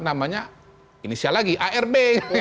namanya inisial lagi arb